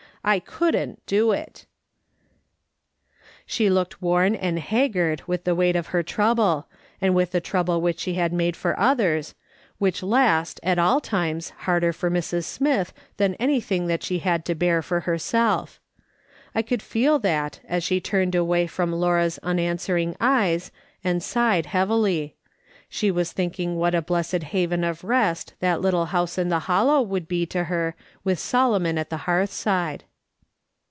I couldn't do it !" She looked worn and haggard with the weight of her trouble, and with the trouble which she had made for others, which last was at all times harder for Mrs. Smith than anything that she had to bear for herself I could feel that as she turned away from Laura's unanswering eyes and sighed heavily ; she was thinking what a blessed haven of rest that little house in the Hollow would be to her, with Solomon at the hearth side.